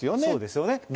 そうですよね。